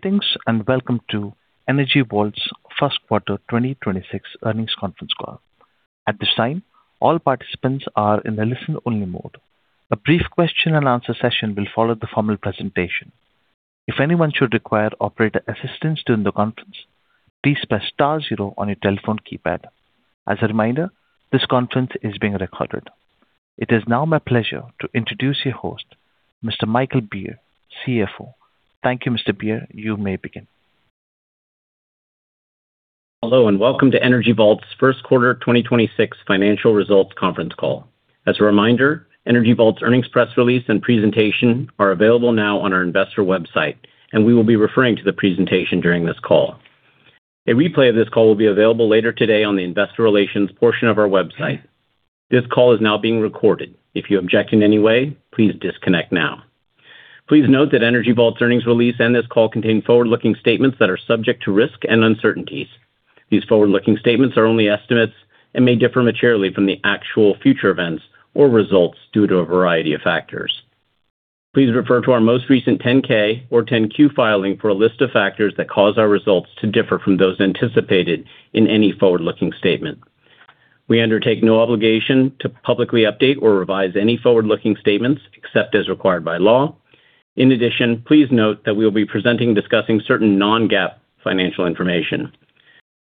Greetings and welcome to Energy Vault's First Quarter 2026 Earnings Conference Call. At this time, all participants are in listen-only mode. Question and answer will follow formal presentation session. If anyone will require operator assistance during the call, please press star zero. As a reminder, this conference id being recorded. It is now my pleasure to introduce your host, Mr. Michael Beer, Chief Financial Officer. Thank you, Mr. Beer. You may begin. Hello, welcome to Energy Vault's first quarter 2026 financial results conference call. As a reminder, Energy Vault's earnings press release and presentation are available now on our investor website, and we will be referring to the presentation during this call. A replay of this call will be available later today on the investor relations portion of our website. This call is now being recorded. If you object in any way, please disconnect now. Please note that Energy Vault's earnings release and this call contain forward-looking statements that are subject to risk and uncertainties. These forward-looking statements are only estimates and may differ materially from the actual future events or results due to a variety of factors. Please refer to our most recent 10-K or 10-Q filing for a list of factors that cause our results to differ from those anticipated in any forward-looking statement. We undertake no obligation to publicly update or revise any forward-looking statements except as required by law. In addition, please note that we will be presenting and discussing certain non-GAAP financial information.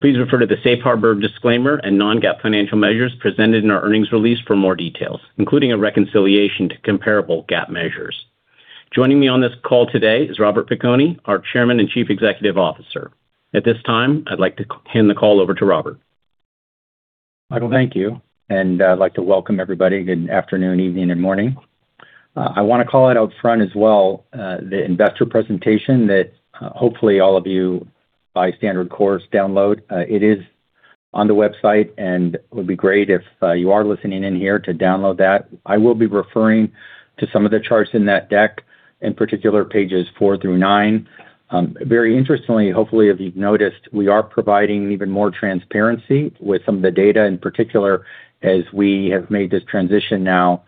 Please refer to the safe harbor disclaimer and non-GAAP financial measures presented in our earnings release for more details, including a reconciliation to comparable GAAP measures. Joining me on this call today is Robert Piconi, our Chairman and Chief Executive Officer. At this time, I'd like to hand the call over to Robert. Michael, thank you. I'd like to welcome everybody. Good afternoon, evening, and morning. I want to call out up front as well, the investor presentation that hopefully all of you by standard course download. It is on the website and would be great if you are listening in here to download that. I will be referring to some of the charts in that deck, in particular pages four through nine. Very interestingly, hopefully if you've noticed, we are providing even more transparency with some of the data, in particular as we have made this transition now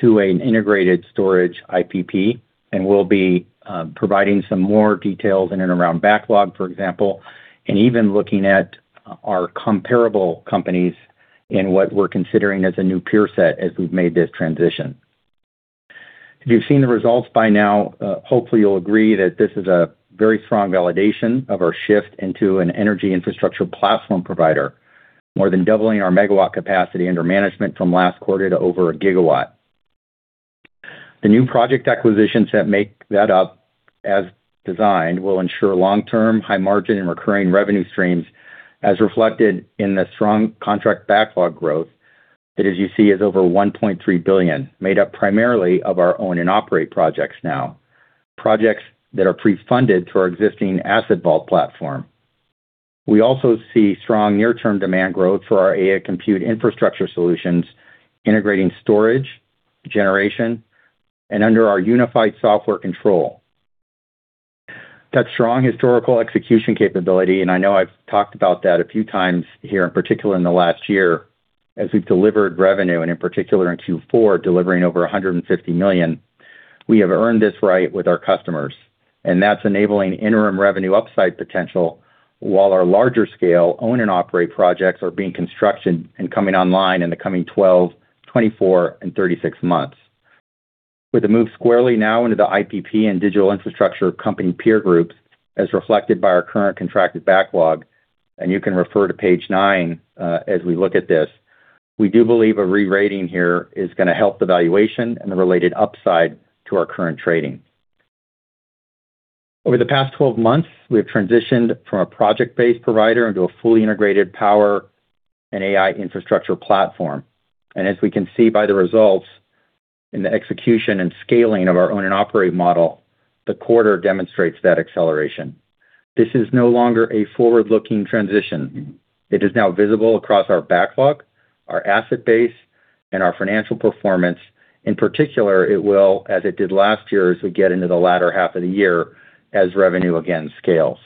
to an integrated storage IPP. We'll be providing some more details in and around backlog, for example, and even looking at our comparable companies in what we're considering as a new peer set as we've made this transition. If you've seen the results by now, hopefully you'll agree that this is a very strong validation of our shift into an energy infrastructure platform provider, more than doubling our megawatt capacity under management from last quarter to over 1 GW. The new project acquisitions that make that up as designed will ensure long-term, high margin, and recurring revenue streams, as reflected in the strong contract backlog growth that, as you see, is over $1.3 billion, made up primarily of our own and operate projects now, projects that are pre-funded through our existing Asset Vault platform. We also see strong near-term demand growth for our AI compute infrastructure solutions, integrating storage, generation, and under our unified software control. That strong historical execution capability, and I know I've talked about that a few times here, in particular in the last year, as we've delivered revenue, and in particular in Q4, delivering over $150 million, we have earned this right with our customers. That's enabling interim revenue upside potential while our larger scale own and operate projects are being constructed and coming online in the coming 12 months, 24 months, and 36 months. With the move squarely now into the IPP and digital infrastructure company peer groups, as reflected by our current contracted backlog, and you can refer to page nine, as we look at this, we do believe a re-rating here is gonna help the valuation and the related upside to our current trading. Over the past 12 months, we have transitioned from a project-based provider into a fully integrated power and AI infrastructure platform. As we can see by the results in the execution and scaling of our own and operate model, the quarter demonstrates that acceleration. This is no longer a forward-looking transition. It is now visible across our backlog, our asset base, and our financial performance. In particular, it will, as it did last year as we get into the latter half of the year, as revenue again scales.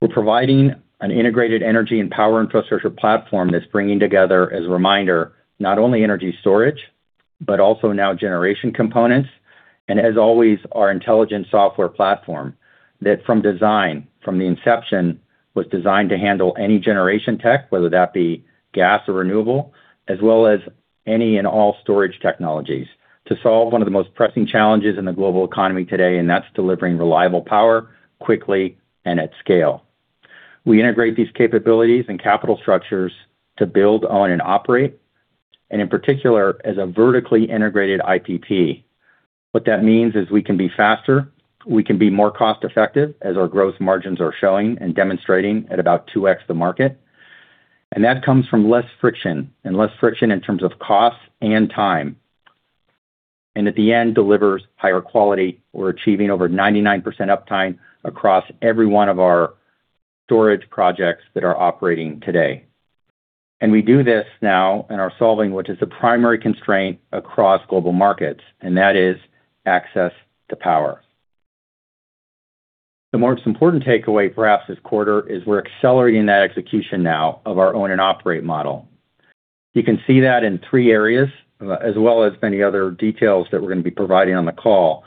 We're providing an integrated energy and power infrastructure platform that's bringing together, as a reminder, not only energy storage, but also now generation components and, as always, our intelligent software platform that from design, from the inception, was designed to handle any generation tech, whether that be gas or renewable, as well as any and all storage technologies to solve one of the most pressing challenges in the global economy today, and that's delivering reliable power quickly and at scale. We integrate these capabilities and capital structures to build, own, and operate, and in particular, as a vertically integrated IPP. What that means is we can be faster, we can be more cost-effective, as our growth margins are showing and demonstrating at about 2x the market, and that comes from less friction, and less friction in terms of cost and time, and at the end delivers higher quality. We're achieving over 99% uptime across every one of our storage projects that are operating today. We do this now and are solving what is the primary constraint across global markets, and that is access to power. The most important takeaway for us this quarter is we're accelerating that execution now of our own and operate model. You can see that in three areas, as well as many other details that we're gonna be providing on the call.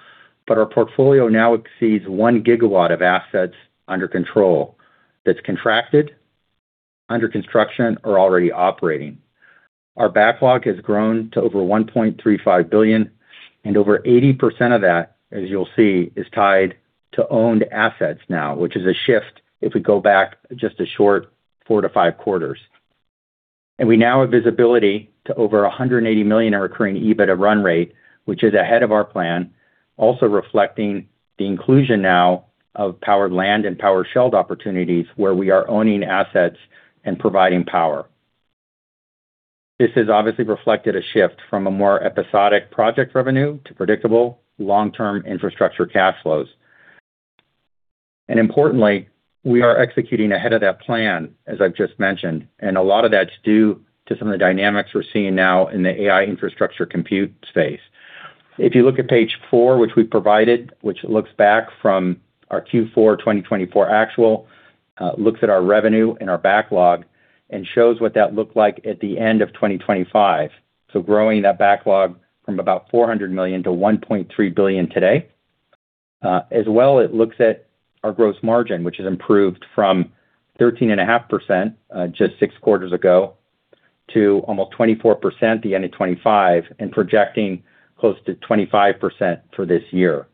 Our portfolio now exceeds 1 GW of assets under control that's contracted, under construction or already operating. Our backlog has grown to over $1.35 billion, over 80% of that, as you'll see, is tied to owned assets now, which is a shift if we go back just a short four to five quarters. We now have visibility to over $180 million in our recurring EBITDA run rate, which is ahead of our plan, also reflecting the inclusion now of powered land and powered shell opportunities where we are owning assets and providing power. This has obviously reflected a shift from a more episodic project revenue to predictable long-term infrastructure cash flows. Importantly, we are executing ahead of that plan, as I've just mentioned, and a lot of that's due to some of the dynamics we're seeing now in the AI infrastructure compute space. If you look at page four, which we provided, which looks back from our Q4 2024 actual, looks at our revenue and our backlog and shows what that looked like at the end of 2025. Growing that backlog from about $400 million to $1.3 billion today. As well, it looks at our gross margin, which has improved from 13.5%, just six quarters ago, to almost 24% at the end of 2025, and projecting close to 25% for this year.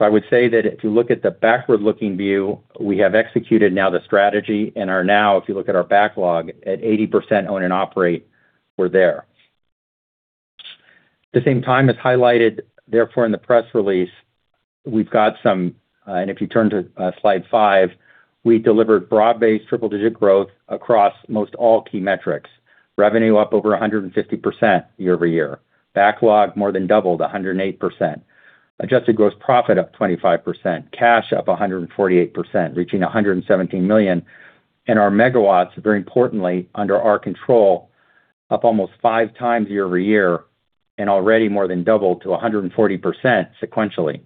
I would say that if you look at the backward-looking view, we have executed now the strategy and are now, if you look at our backlog, at 80% own and operate, we're there. At the same time, as highlighted therefore in the press release, we've got some, and if you turn to slide five, we delivered broad-based triple-digit growth across most all key metrics. Revenue up over 150% year-over-year. Backlog more than doubled, 108%. Adjusted gross profit up 25%. Cash up 148%, reaching $117 million, and our megawatts, very importantly, under our control, up almost 5x year-over-year and already more than doubled to 140% sequentially.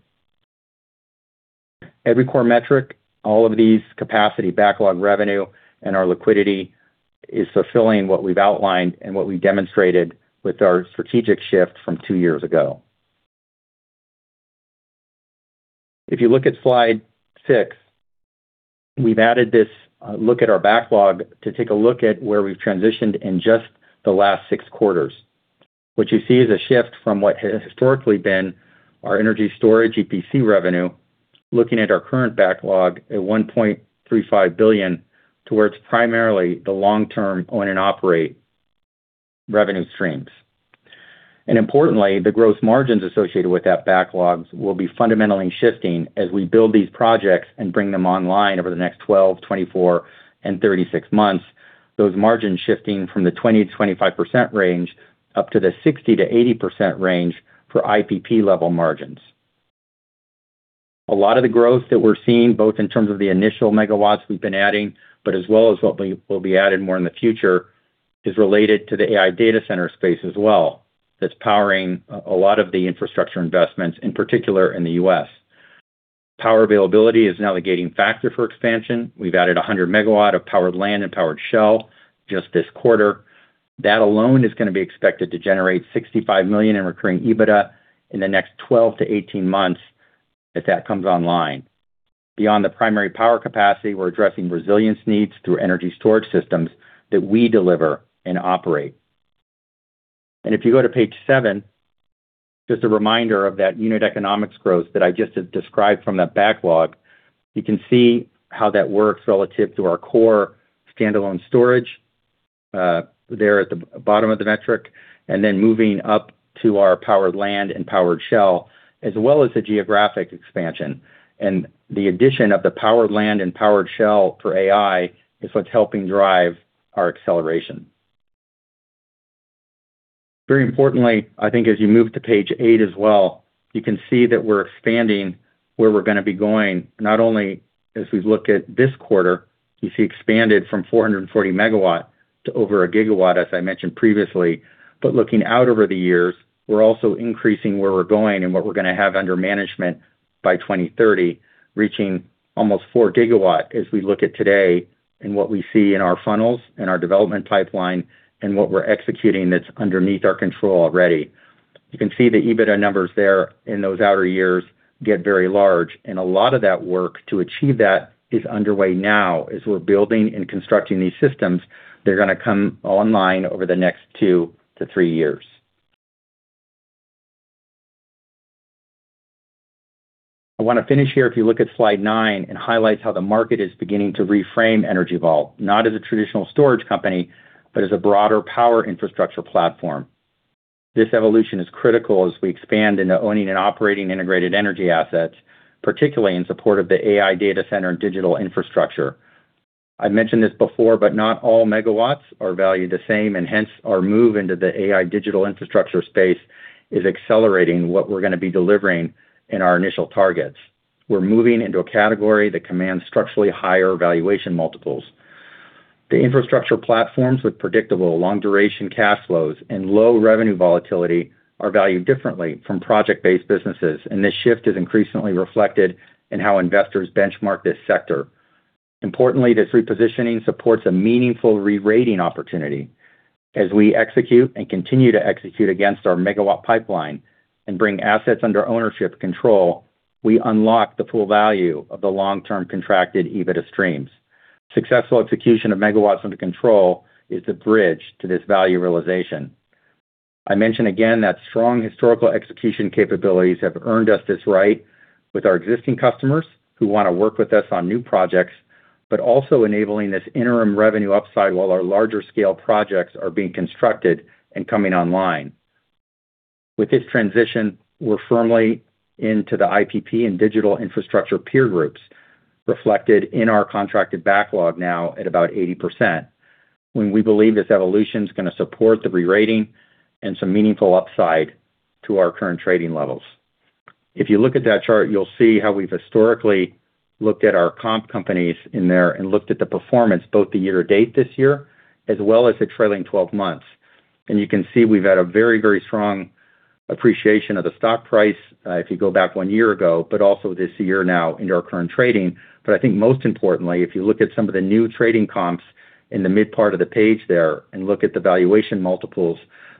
Every core metric, all of these capacity backlog revenue and our liquidity is fulfilling what we've outlined and what we demonstrated with our strategic shift from two years ago. If you look at slide six, we've added this look at our backlog to take a look at where we've transitioned in just the last six quarters. What you see is a shift from what has historically been our energy storage EPC revenue, looking at our current backlog at $1.35 billion, towards primarily the long-term own and operate revenue streams. Importantly, the gross margins associated with that backlogs will be fundamentally shifting as we build these projects and bring them online over the next 12 months, 24 months, and 36 months. Those margins shifting from the 20%-25% range up to the 60%-80% range for IPP level margins. A lot of the growth that we're seeing, both in terms of the initial megawatts we've been adding, but as well as what we will be adding more in the future, is related to the AI data center space as well. That's powering a lot of the infrastructure investments, in particular in the U.S. Power availability is now the gating factor for expansion. We've added 100 MW of powered land and powered shell just this quarter. That alone is gonna be expected to generate $65 million in recurring EBITDA in the next 12 months-18 months as that comes online. Beyond the primary power capacity, we're addressing resilience needs through energy storage systems that we deliver and operate. If you go to page seven, just a reminder of that unit economics growth that I just described from that backlog. You can see how that works relative to our core standalone storage there at the bottom of the metric, and then moving up to our powered land and powered shell, as well as the geographic expansion. The addition of the powered land and powered shell for AI is what's helping drive our acceleration. Very importantly, I think as you move to page eight as well, you can see that we're expanding where we're gonna be going, not only as we look at this quarter, you see expanded from 440 MW to over 1 GW, as I mentioned previously. Looking out over the years, we're also increasing where we're going and what we're gonna have under management by 2030, reaching almost 4 GW as we look at today and what we see in our funnels and our development pipeline and what we're executing that's underneath our control already. You can see the EBITDA numbers there in those outer years get very large, and a lot of that work to achieve that is underway now as we're building and constructing these systems that are gonna come online over the next two to three years. I want to finish here, if you look at slide nine, it highlights how the market is beginning to reframe Energy Vault, not as a traditional storage company, but as a broader power infrastructure platform. This evolution is critical as we expand into owning and operating integrated energy assets, particularly in support of the AI data center and digital infrastructure. I mentioned this before, but not all megawatts are valued the same, and hence our move into the AI digital infrastructure space is accelerating what we're gonna be delivering in our initial targets. We're moving into a category that commands structurally higher valuation multiples. The infrastructure platforms with predictable long duration cash flows and low revenue volatility are valued differently from project-based businesses, and this shift is increasingly reflected in how investors benchmark this sector. Importantly, this repositioning supports a meaningful re-rating opportunity. As we execute and continue to execute against our megawatt pipeline and bring assets under ownership control, we unlock the full value of the long-term contracted EBITDA streams. Successful execution of megawatts under control is the bridge to this value realization. I mention again that strong historical execution capabilities have earned us this right with our existing customers who want to work with us on new projects, but also enabling this interim revenue upside while our larger scale projects are being constructed and coming online. With this transition, we're firmly into the IPP and digital infrastructure peer groups, reflected in our contracted backlog now at about 80%. We believe this evolution is going to support the re-rating and some meaningful upside to our current trading levels. If you look at that chart, you'll see how we've historically looked at our comp companies in there and looked at the performance, both the year to date this year, as well as the trailing 12 months. You can see we've had a very, very strong appreciation of the stock price, if you go back one year ago, but also this year now into our current trading. I think most importantly, if you look at some of the new trading comps in the mid part of the page there and look at the valuation multiples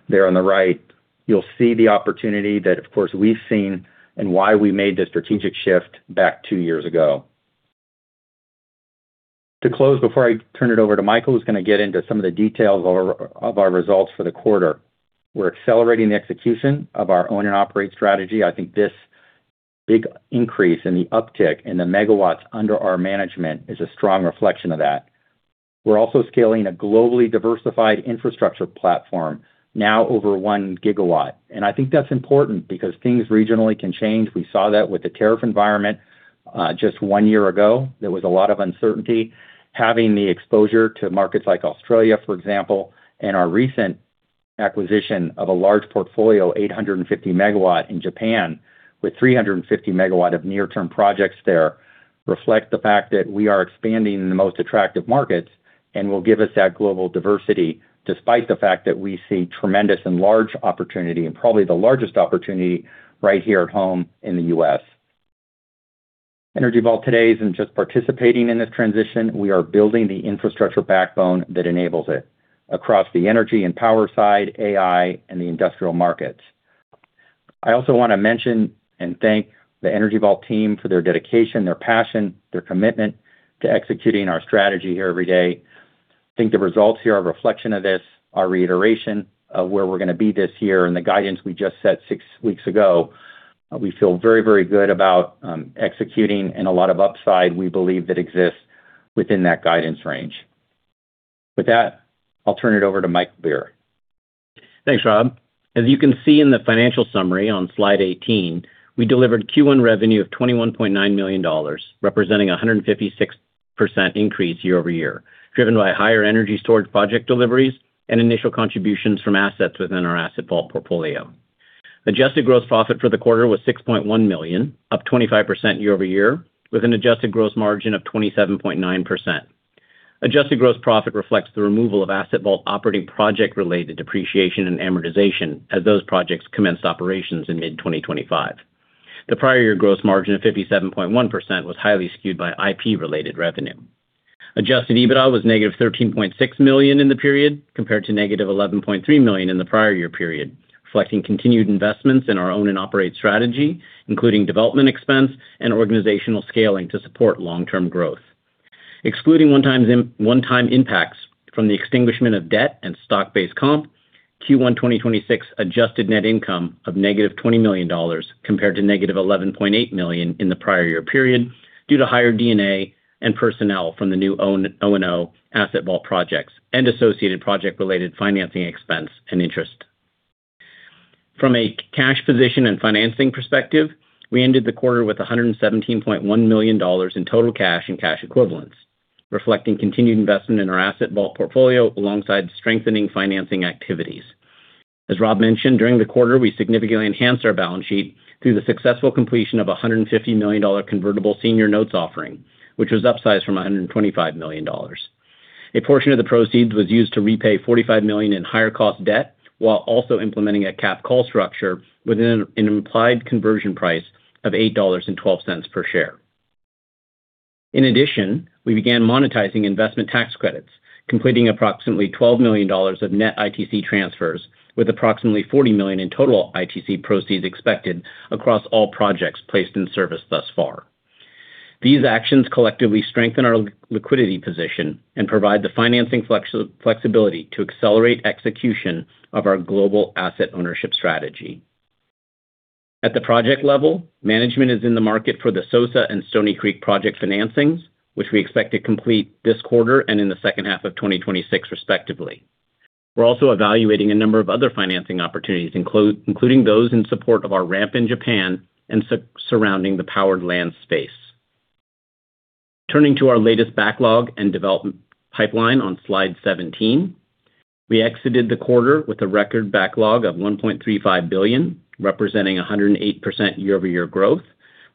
there on the right, you'll see the opportunity that, of course, we've seen and why we made the strategic shift back two years ago. To close, before I turn it over to Michael, who's going to get into some of the details of our results for the quarter. We're accelerating the execution of our own and operate strategy. I think this big increase in the uptick in the megawatts under our management is a strong reflection of that. We're also scaling a globally diversified infrastructure platform, now over 1 GW. I think that's important because things regionally can change. We saw that with the tariff environment, just one year ago. There was a lot of uncertainty. Having the exposure to markets like Australia, for example, and our recent acquisition of a large portfolio, 850 MW in Japan, with 350 MW of near-term projects there, reflect the fact that we are expanding in the most attractive markets and will give us that global diversity despite the fact that we see tremendous and large opportunity, and probably the largest opportunity right here at home in the U.S. Energy Vault today isn't just participating in this transition, we are building the infrastructure backbone that enables it across the energy and power side, AI, and the industrial markets. I also want to mention and thank the Energy Vault team for their dedication, their passion, their commitment to executing our strategy here every day. I think the results here are a reflection of this, our reiteration of where we're going to be this year and the guidance we just set six weeks ago. We feel very, very good about executing and a lot of upside we believe that exists within that guidance range. With that, I'll turn it over to Michael Beer. Thanks, Rob. As you can see in the financial summary on slide 18, we delivered Q1 revenue of $21.9 million, representing a 156% increase year-over-year, driven by higher energy storage project deliveries and initial contributions from assets within our Asset Vault portfolio. Adjusted gross profit for the quarter was $6.1 million, up 25% year-over-year, with an adjusted gross margin of 27.9%. Adjusted gross profit reflects the removal of Asset Vault operating project-related depreciation and amortization as those projects commenced operations in mid-2025. The prior year gross margin of 57.1% was highly skewed by IP-related revenue. Adjusted EBITDA was $-13.6 million in the period, compared to $-11.3 million in the prior year period, reflecting continued investments in our own and operate strategy, including development expense and organizational scaling to support long-term growth. Excluding one-time impacts from the extinguishment of debt and stock-based comp, Q1 2026 adjusted net income of $-20 million compared to $-11.8 million in the prior year period, due to higher D&A and personnel from the new O&O Asset Vault projects and associated project-related financing expense and interest. From a cash position and financing perspective, we ended the quarter with $117.1 million in total cash and cash equivalents, reflecting continued investment in our Asset Vault portfolio alongside strengthening financing activities. As Rob mentioned, during the quarter, we significantly enhanced our balance sheet through the successful completion of a $150 million convertible senior notes offering, which was upsized from $125 million. A portion of the proceeds was used to repay $45 million in higher cost debt while also implementing a capped call structure within an implied conversion price of $8.12 per share. In addition, we began monetizing investment tax credits, completing approximately $12 million of net ITC transfers with approximately $40 million in total ITC proceeds expected across all projects placed in service thus far. These actions collectively strengthen our liquidity position and provide the financing flexibility to accelerate execution of our global asset ownership strategy. At the project level, management is in the market for the SOSA and Stoney Creek project financings, which we expect to complete this quarter and in the second half of 2026, respectively. We're also evaluating a number of other financing opportunities, including those in support of our ramp in Japan and surrounding the powered land space. Turning to our latest backlog and development pipeline on slide 17. We exited the quarter with a record backlog of $1.35 billion, representing 108% year-over-year growth,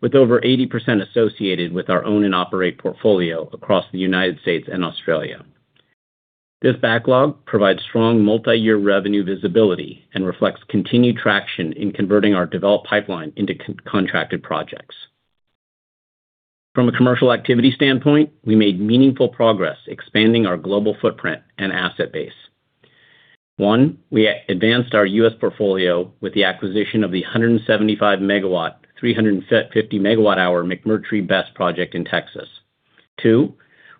with over 80% associated with our own and operate portfolio across the U.S. and Australia. This backlog provides strong multiyear revenue visibility and reflects continued traction in converting our developed pipeline into contracted projects. From a commercial activity standpoint, we made meaningful progress expanding our global footprint and asset base. One, we advanced our U.S. portfolio with the acquisition of the 175 MW/350 MWh McMurtre BESS project in Texas. Two,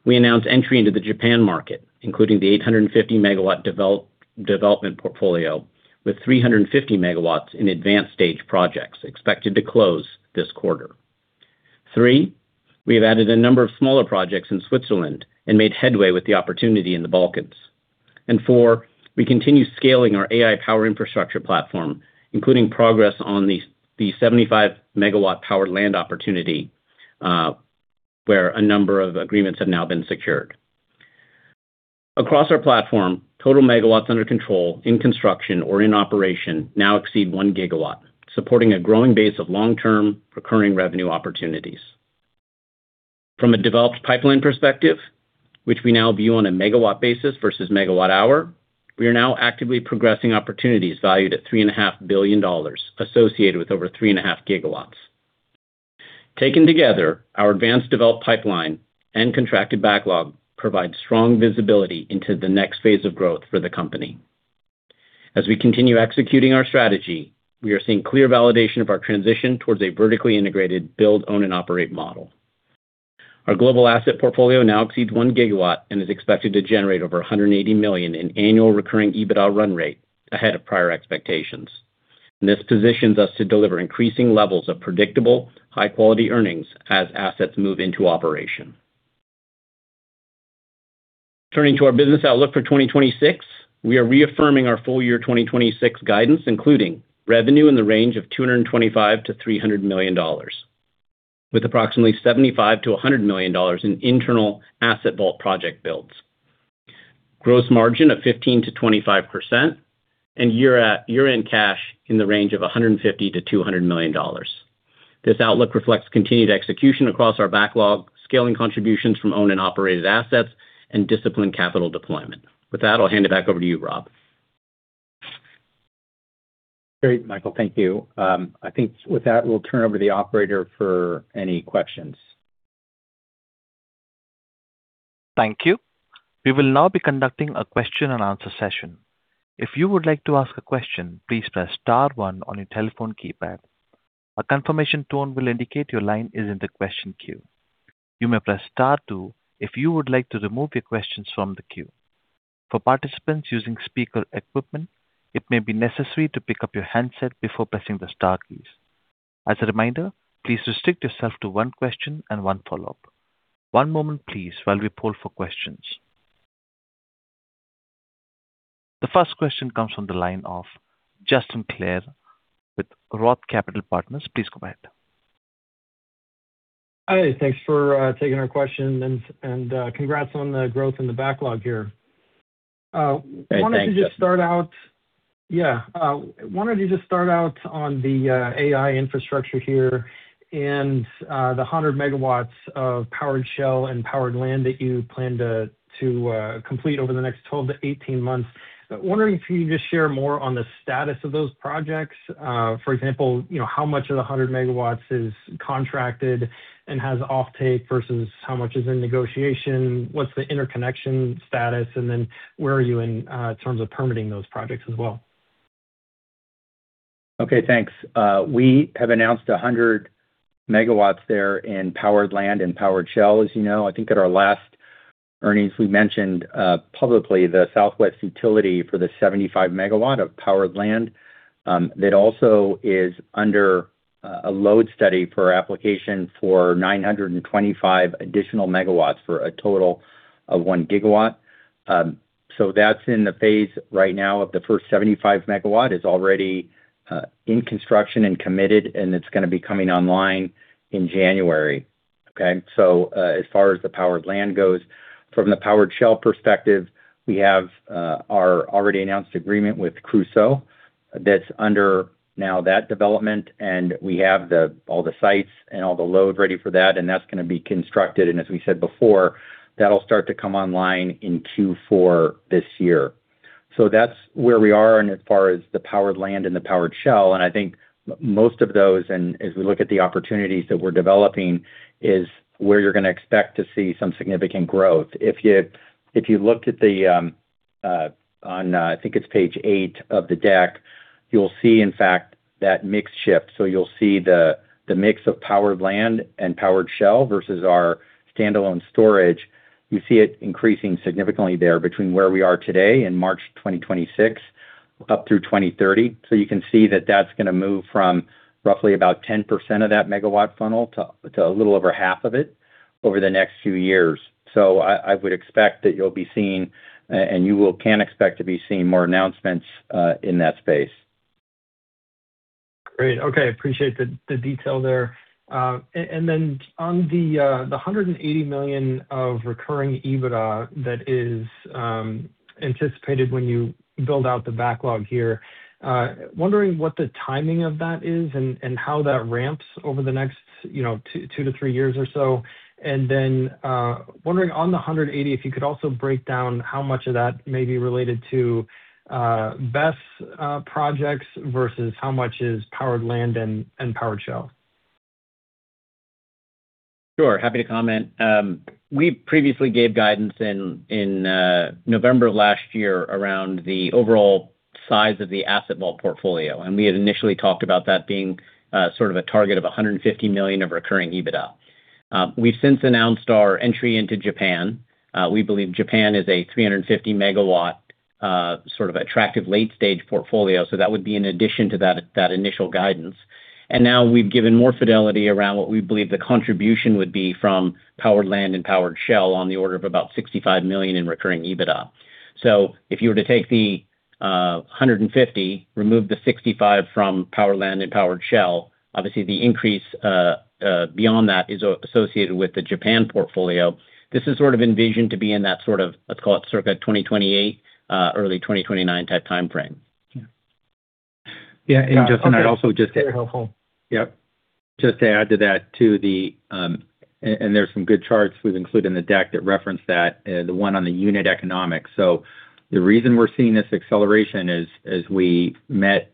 we announced entry into the Japan market, including the 850 MW development portfolio with 350 MW in advanced stage projects expected to close this quarter. Three, we have added a number of smaller projects in Switzerland and made headway with the opportunity in the Balkans. Four, we continue scaling our AI power infrastructure platform, including progress on the 75 MW powered land opportunity, where a number of agreements have now been secured. Across our platform, total megawatts under control in construction or in operation now exceed 1 GW, supporting a growing base of long-term recurring revenue opportunities. From a developed pipeline perspective, which we now view on a megawatt basis versus megawatt hour, we are now actively progressing opportunities valued at $3.5 billion, associated with over 3.5 GW. Taken together, our advanced developed pipeline and contracted backlog provide strong visibility into the next phase of growth for the company. As we continue executing our strategy, we are seeing clear validation of our transition towards a vertically integrated build, own and operate model. Our global asset portfolio now exceeds 1 GW and is expected to generate over $180 million in annual recurring EBITDA run rate ahead of prior expectations. This positions us to deliver increasing levels of predictable, high quality earnings as assets move into operation. Turning to our business outlook for 2026, we are reaffirming our full year 2026 guidance, including revenue in the range of $225 million-$300 million, with approximately $75 million-$100 million in internal Asset Vault project builds. Gross margin of 15%-25% and year-end cash in the range of $150 million-$200 million. This outlook reflects continued execution across our backlog, scaling contributions from owned and operated assets and disciplined capital deployment. With that, I'll hand it back over to you, Rob. Great, Michael. Thank you. I think with that, we'll turn over to the operator for any questions. The first question comes from the line of Justin Clare with Roth Capital Partners, please go ahead. Hi. Thanks for taking our question and, congrats on the growth in the backlog here. Hey, thanks, Justin. Wanted to just start out on the AI infrastructure here and the 100 MW of powered shell and powered land that you plan to complete over the next 12-18 months. Wondering if you can just share more on the status of those projects. For example, you know, how much of the 100 MW is contracted and has offtake versus how much is in negotiation? What's the interconnection status? Where are you in terms of permitting those projects as well? Okay, thanks. We have announced 100 MW there in powered land and powered shell, as you know. I think at our last earnings, we mentioned publicly the Southwest utility for the 75 MW of powered land, that also is under a load study for application for 925 additional megawatts for a total of 1 GW. That's in the phase right now of the first 75 MW is already in construction and committed, and it's gonna be coming online in January. Okay? As far as the powered land goes, from the powered shell perspective, we have our already announced agreement with Crusoe that's under now that development, and we have the, all the sites and all the load ready for that, and that's gonna be constructed. As we said before, that'll start to come online in Q4 this year. That's where we are as far as the powered land and the powered shell, I think most of those, as we look at the opportunities that we're developing, is where you're gonna expect to see some significant growth. If you looked at the, on, I think it's page eight of the deck, you'll see, in fact, that mix shift. You'll see the mix of powered land and powered shell versus our standalone storage. You see it increasing significantly there between where we are today in March 2026 up through 2030. You can see that that's gonna move from roughly about 10% of that megawatt funnel to a little over half of it over the next few years. I would expect that you'll be seeing, and you can expect to be seeing more announcements in that space. Great. Okay, appreciate the detail there. On the $180 million of recurring EBITDA that is anticipated when you build out the backlog here, wondering what the timing of that is and how that ramps over the next, you know, two to three years or so. Wondering on the $180 million, if you could also break down how much of that may be related to BESS projects versus how much is powered land and powered shell. Sure, happy to comment. We previously gave guidance in November of last year around the overall size of the Asset Vault portfolio. We had initially talked about that being sort of a target of $150 million of recurring EBITDA. We've since announced our entry into Japan. We believe Japan is a 350 MW sort of attractive late-stage portfolio. That would be in addition to that initial guidance. Now we've given more fidelity around what we believe the contribution would be from powered land and powered shell on the order of about $65 million in recurring EBITDA. If you were to take the $150 million, remove the $65 million from powered land and powered shell, obviously the increase beyond that is associated with the Japan portfolio. This is sort of envisioned to be in that sort of, let's call it, circa 2028, early 2029 type timeframe. Yeah. Yeah, Justin, I'd also. Okay. Very helpful. Yep. Just to add to that too, there's some good charts we've included in the deck that reference that, the one on the unit economics. The reason we're seeing this acceleration is, as we met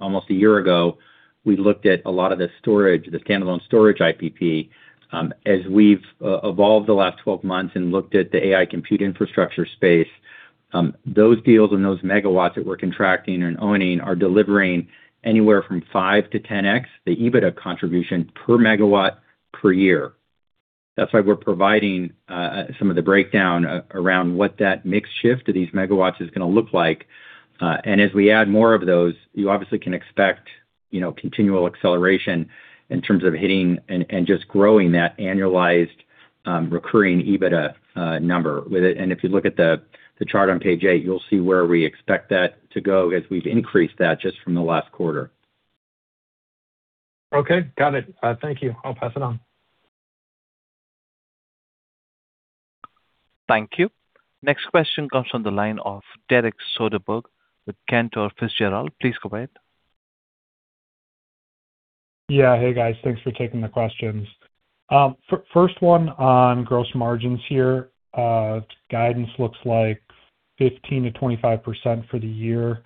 almost a year ago, we looked at a lot of the storage, the standalone storage IPP. As we've evolved the last 12 months and looked at the AI compute infrastructure space, those deals and those megawatts that we're contracting and owning are delivering anywhere from 5x to 10x the EBITDA contribution per megawatt per year. That's why we're providing some of the breakdown around what that mix shift of these megawatts is gonna look like. As we add more of those, you obviously can expect, you know, continual acceleration in terms of hitting and just growing that annualized recurring EBITDA number with it. If you look at the chart on page eight, you'll see where we expect that to go as we've increased that just from the last quarter. Okay. Got it. Thank you. I'll pass it on. Thank you. Next question comes from the line of Derek Soderberg with Cantor Fitzgerald, please go ahead. Hey, guys. Thanks for taking the questions. First one on gross margins here. Guidance looks like 15%-25% for the year.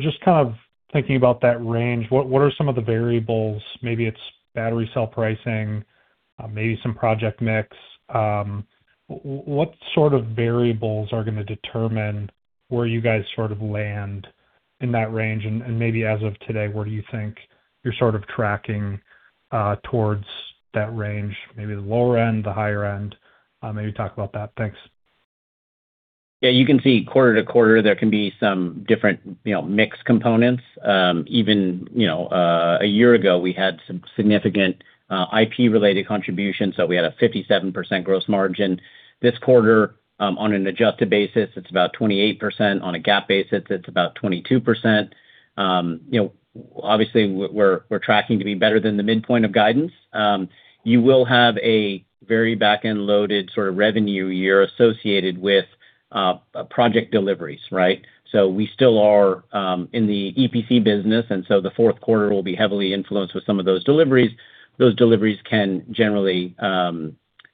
Just kind of thinking about that range, what are some of the variables, maybe it's battery cell pricing, maybe some project mix, what sort of variables are gonna determine where you guys sort of land in that range? Maybe as of today, where do you think you're sort of tracking towards that range? Maybe the lower end, the higher end. Maybe talk about that. Thanks. You can see quarter-to-quarter there can be some different, you know, mix components. Even, you know, a year ago we had some significant IP-related contributions, so we had a 57% gross margin. This quarter, on an adjusted basis it's about 28%. On a GAAP basis it's about 22%. You know, obviously we're tracking to be better than the midpoint of guidance. You will have a very back-end loaded sort of revenue year associated with project deliveries, right? We still are in the EPC business, the fourth quarter will be heavily influenced with some of those deliveries. Those deliveries can generally,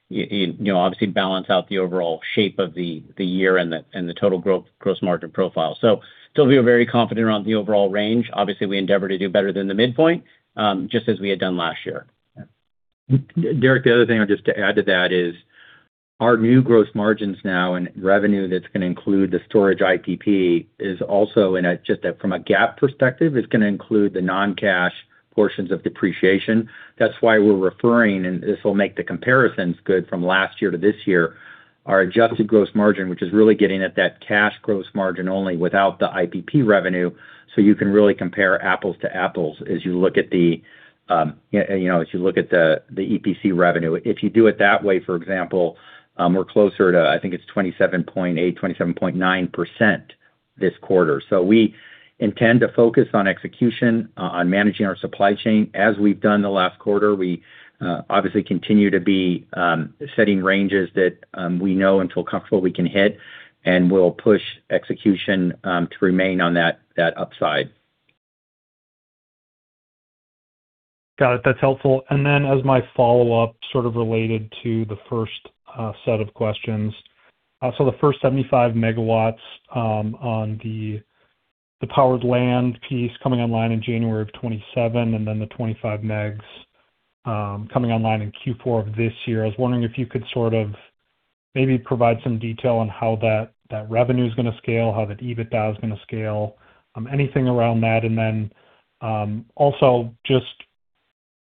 you know, obviously balance out the overall shape of the year and the total gross margin profile. Still feel very confident around the overall range. Obviously, we endeavor to do better than the midpoint, just as we had done last year. Derek, the other thing just to add to that is our new gross margins now and revenue that's going to include the storage IPP is also just from a GAAP perspective, is going to include the non-cash portions of depreciation. That's why we're referring, and this will make the comparisons good from last year to this year, our adjusted gross margin, which is really getting at that cash gross margin only without the IPP revenue, so you can really compare apples to apples as you look at the EPC revenue. If you do it that way, for example, we're closer to, I think it's 27.8%, 27.9% this quarter. We intend to focus on execution, on managing our supply chain. As we've done the last quarter, we obviously continue to be setting ranges that we know and feel comfortable we can hit, and we'll push execution to remain on that upside. Got it. That's helpful. As my follow-up sort of related to the first set of questions. The first 75 MW on the powered land piece coming online in January of 2027 and then the 25 MW coming online in Q4 of this year, I was wondering if you could sort of maybe provide some detail on how that revenue's gonna scale, how that EBITDA is gonna scale, anything around that. Also just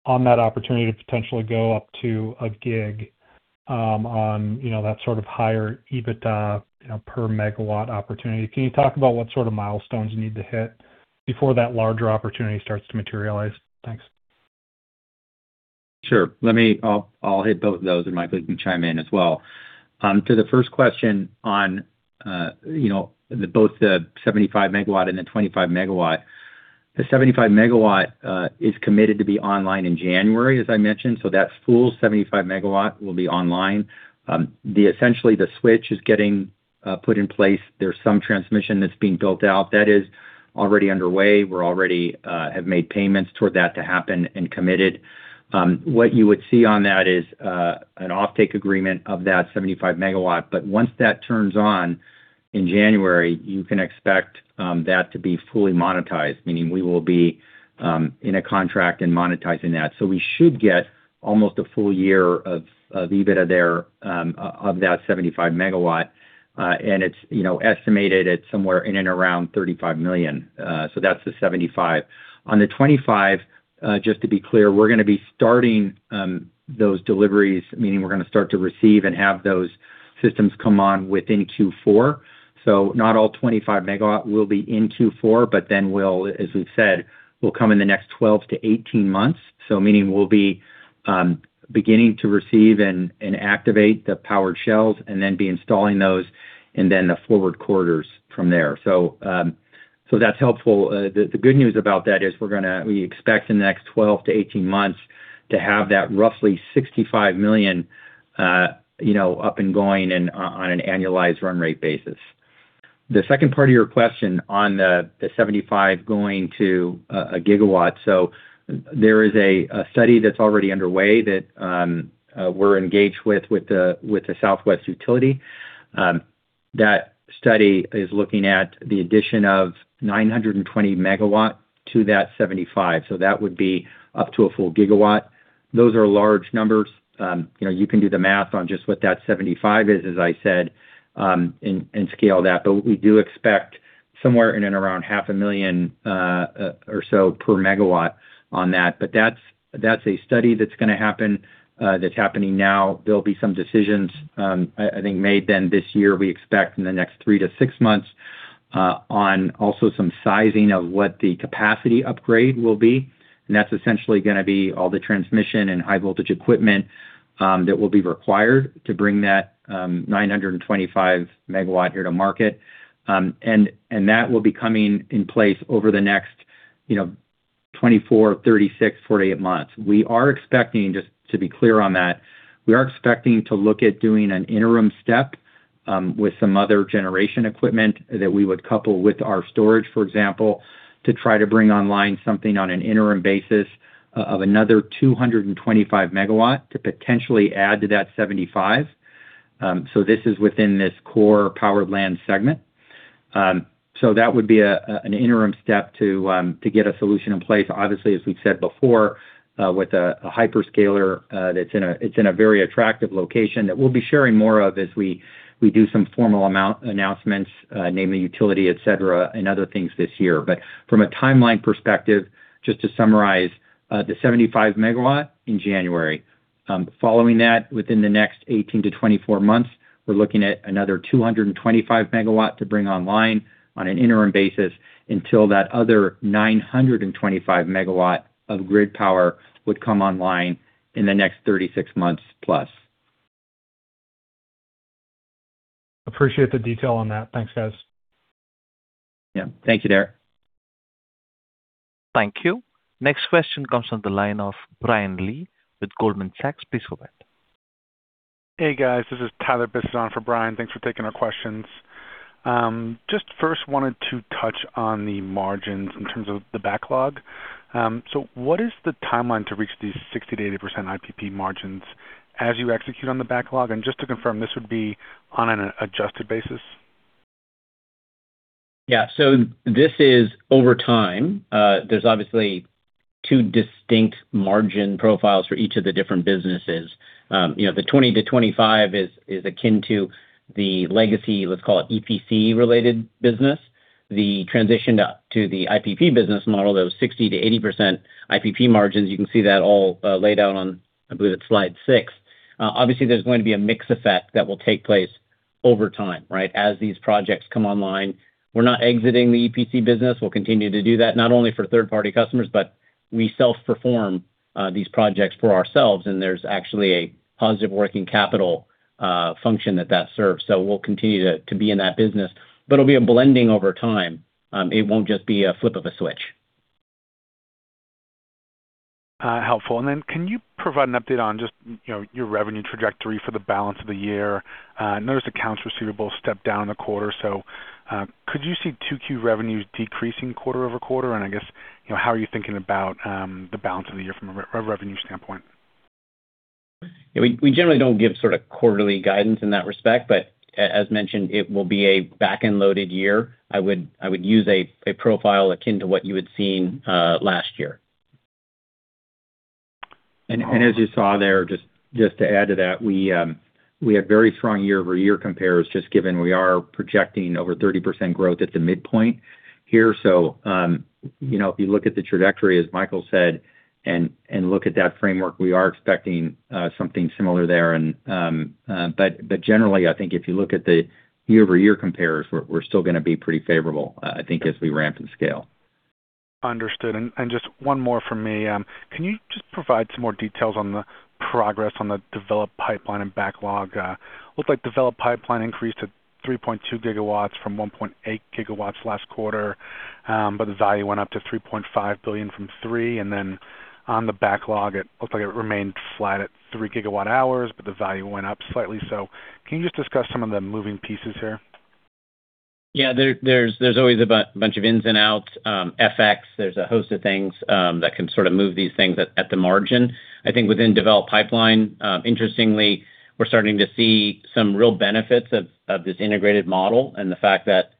on that opportunity to potentially go up to 1 GW on, you know, that sort of higher EBITDA, you know, per megawatt opportunity. Can you talk about what sort of milestones you need to hit before that larger opportunity starts to materialize? Thanks. Sure. I'll hit both of those, Michael can chime in as well. To the first question on, you know, both the 75 MW and the 25 MW. The 75 MW is committed to be online in January, as I mentioned. That full 75 MW will be online. Essentially, the switch is getting put in place. There's some transmission that's being built out. That is already underway. We already have made payments toward that to happen and committed. What you would see on that is an offtake agreement of that 75 MW. Once that turns on in January, you can expect that to be fully monetized, meaning we will be in a contract and monetizing that. We should get almost a full year of EBITDA there, of that 75 MW. It's, you know, estimated at somewhere in and around $35 million. That's the 75 MW. On the 25 MW, just to be clear, we're gonna be starting those deliveries, meaning we're gonna start to receive and have those systems come on within Q4. Not all 25 MW will be in Q4, will, as we've said, will come in the next 12 months to 18 months. Meaning we'll be beginning to receive and activate the powered shells and be installing those in the forward quarters from there. That's helpful. The good news about that is we expect in the next 12 months to 18 months to have that roughly $65 million, you know, up and going on an annualized run rate basis. The second part of your question on the 75 MW going to a gigawatt. There is a study that's already underway that we're engaged with the Southwest Utility. That study is looking at the addition of 920 MW to that 75 MW, so that would be up to a full gigawatt. Those are large numbers. You know, you can do the math on just what that 75 MW is, as I said, and scale that. We do expect somewhere in and around half a million or so per MEGAWATT on that. That's a study that's going to happen, that's happening now. There will be some decisions, I think made then this year. We expect in the next three months to six months on also some sizing of what the capacity upgrade will be. That's essentially gonna be all the transmission and high voltage equipment that will be required to bring that 925 MW here to market. That will be coming in place over the next, you know, 24 months, 36 months, 48 months. We are expecting, just to be clear on that, we are expecting to look at doing an interim-step with some other generation equipment that we would couple with our storage, for example, to try to bring online something on an interim basis of another 225 MW to potentially add to that 75 MW. This is within this core powered land segment. That would be an interim step to get a solution in place. Obviously, as we've said before, with a hyper-scaler, that's in a very attractive location that we'll be sharing more of as we do some formal announcements, namely utility, et cetera, and other things this year. From a timeline perspective, just to summarize, the 75 MW in January. Following that, within the next 18 months-24 months, we're looking at another 225 MW to bring online on an interim basis until that other 925 MW of grid power would come online in the next 36 months plus. Appreciate the detail on that. Thanks, guys. Yeah. Thank you, Derek. Thank you. Next question comes from the line of Brian Lee with Goldman Sachs, please go ahead. Hey, guys. This is Tyler Besson for Brian. Thanks for taking our questions. Just first wanted to touch on the margins in terms of the backlog. What is the timeline to reach these 60%-80% IPP margins as you execute on the backlog? Just to confirm, this would be on an adjusted basis. Yeah. This is overtime, there's obviously two distinct margin profiles for each of the different businesses. You know, the 20%-25% is akin to the legacy, let's call it EPC-related business. The transition to the IPP business model, those 60%-80% IPP margins, you can see that all laid out on, I believe it's slide six. Obviously, there's going to be a mix effect that will take place over time, right? As these projects come online. We're not exiting the EPC business. We'll continue to do that, not only for third-party customers, but we self-perform these projects for ourselves, and there's actually a positive working capital function that serves. We'll continue to be in that business. It'll be a blending over time. It won't just be a flip of a switch. Helpful. Can you provide an update on just, you know, your revenue trajectory for the balance of the year? Noticed accounts receivable stepped down a quarter. Could you see 2Q revenues decreasing quarter-over-quarter? You know, how are you thinking about the balance of the year from a revenue standpoint? Yeah. We generally don't give sort of quarterly guidance in that respect, but as mentioned, it will be a back-end loaded year. I would use a profile akin to what you had seen last year. As you saw there, just to add to that, we have very strong year-over-year compares just given we are projecting over 30% growth at the midpoint here. You know, if you look at the trajectory, as Michael said, and look at that framework, we are expecting something similar there and generally, I think if you look at the year-over-year compares, we're still gonna be pretty favorable, I think as we ramp and scale. Understood. Just one more from me. Can you just provide some more details on the progress on the developed pipeline and backlog? Looks like developed pipeline increased to 3.2 GW from 1.8 GW last quarter, but the value went up to $3.5 billion from $3 billion. On the backlog, it looks like it remained flat at 3 GWh, but the value went up slightly. Can you just discuss some of the moving pieces here? Yeah. There's always a bunch of ins and outs, FX. There's a host of things that can sort of move these things at the margin. I think within developed pipeline, interestingly, we're starting to see some real benefits of this integrated model and the fact that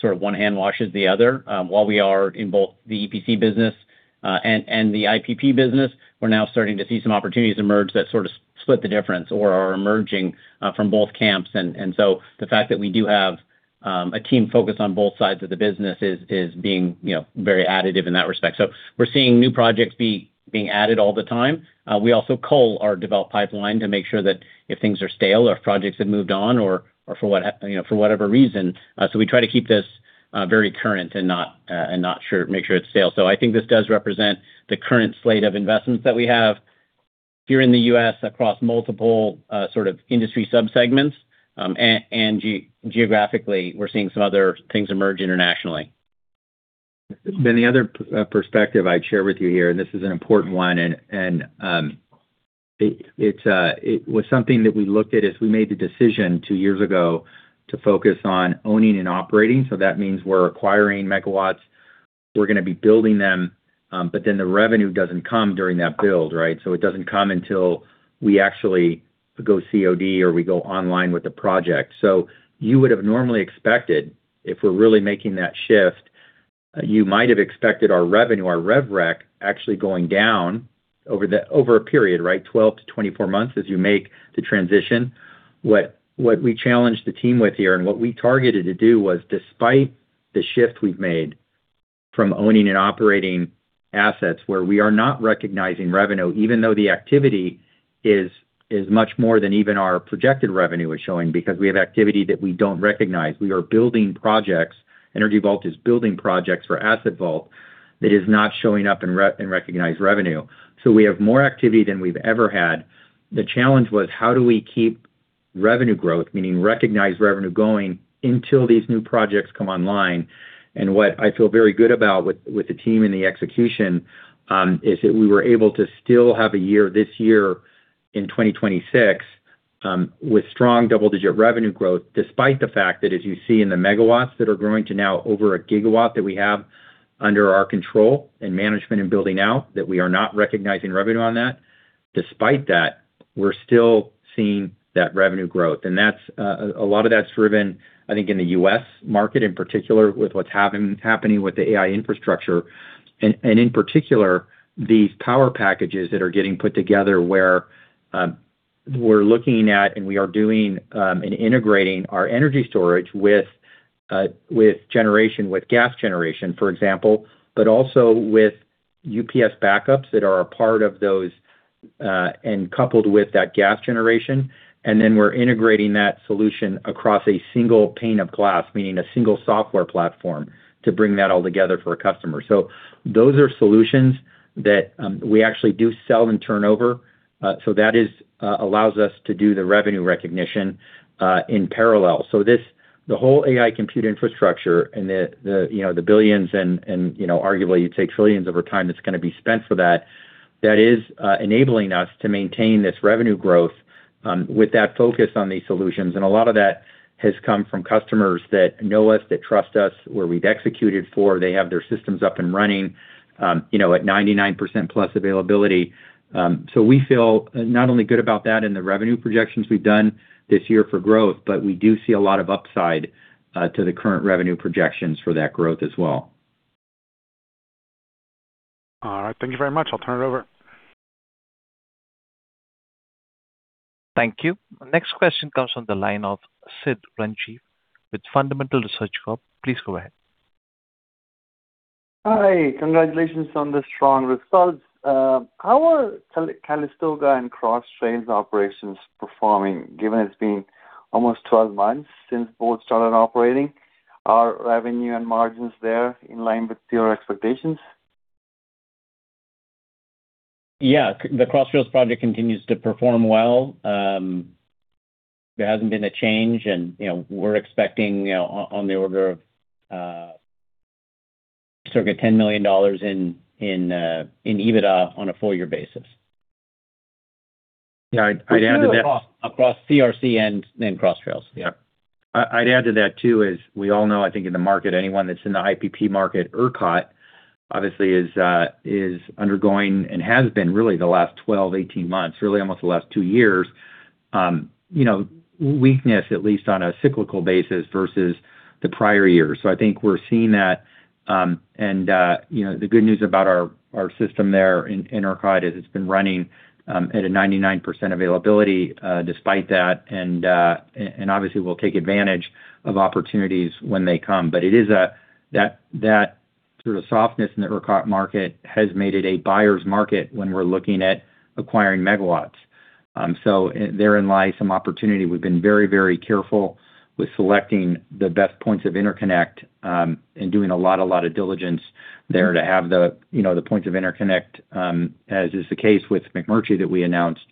sort of one hand washes the other. While we are in both the EPC business and the IPP business, we're now starting to see some opportunities emerge that sort of split the difference or are emerging from both camps. So the fact that we do have a team focused on both sides of the business is being, you know, very additive in that respect. So we're seeing new projects being added all the time. We also cull our developed pipeline to make sure that if things are stale or if projects have moved on or, you know, for whatever reason. We try to keep this very current and not make sure it's stale. I think this does represent the current slate of investments that we have here in the U.S. across multiple, sort of industry sub-segments, and geographically, we're seeing some other things emerge internationally. The other perspective I'd share with you here, and this is an important one, it's something that we looked at as we made the decision two years ago to focus on owning and operating. That means we're acquiring megawatts. We're gonna be building them, the revenue doesn't come during that build, right? It doesn't come until we actually go COD or we go online with the project. You would have normally expected, if we're really making that shift, you might have expected our revenue, our rev rec, actually going down over a period, right? 12 months-24 months as you make the transition. What we challenged the team with here and what we targeted to do was, despite the shift we've made from owning and operating assets where we are not recognizing revenue, even though the activity is much more than even our projected revenue is showing because we have activity that we don't recognize. We are building projects. Energy Vault is building projects for Asset Vault that is not showing up in recognized revenue. We have more activity than we've ever had. The challenge was: how do we keep revenue growth, meaning recognized revenue, going until these new projects come online? What I feel very good about with the team and the execution, is that we were able to still have a year, this year in 2026, with strong double-digit revenue growth, despite the fact that as you see in the megawatts that are growing to now over 1 GW that we have under our control and management and building out, that we are not recognizing revenue on that. Despite that, we're still seeing that revenue growth. That's a lot of that's driven, I think, in the U.S. market in particular with what's happening with the AI infrastructure and, in particular, these power packages that are getting put together where we're looking at and we are doing and integrating our energy storage with generation, with gas generation, for example, but also with UPS backups that are a part of those and coupled with that gas generation. Then we're integrating that solution across a single pane of glass, meaning a single software platform to bring that all together for a customer. Those are solutions that we actually do sell and turn over. That is allows us to do the revenue recognition in parallel. This, the whole AI compute infrastructure and the, you know, the billions and, you know, arguably it takes trillions over time that's going to be spent for that is enabling us to maintain this revenue growth with that focus on these solutions. A lot of that has come from customers that know us, that trust us, where we've executed for. They have their systems up and running, you know, at 99%+ availability. We feel not only good about that in the revenue projections we've done this year for growth, but we do see a lot of upside to the current revenue projections for that growth as well. All right. Thank you very much. I'll turn it over. Thank you. Next question comes from the line of Siddharth Rengachari with Fundamental Research Corp, please go ahead. Hi. Congratulations on the strong results. How are Calistoga and Cross Trails operations performing, given it's been almost 12 months since both started operating? Are revenue and margins there in line with your expectations? Yeah. The Cross Trails project continues to perform well. There hasn't been a change and, you know, we're expecting, you know, on the order of, circa $10 million in EBITDA on a full year basis. Yeah. I'd add to that- Across CRC and then Cross Trails. Yeah. I'd add to that too, as we all know, I think in the IPP market, ERCOT obviously is undergoing and has been really the last 12 months, 18 months, really almost the last two years, you know, weakness at least on a cyclical basis versus the prior years. I think we're seeing that. You know, the good news about our system there in ERCOT is it's been running at a 99% availability despite that. Obviously we'll take advantage of opportunities when they come. It is that sort of softness in the ERCOT market has made it a buyer's market when we're looking at acquiring megawatts. Therein lies some opportunity. We've been very, very careful with selecting the best points of interconnect, and doing a lot of diligence there to have the, you know, the points of interconnect, as is the case with McMurtre that we announced,